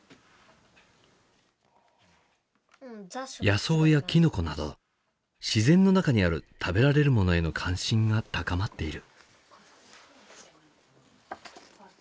野草やキノコなど自然の中にある食べられるものへの関心が高まっている。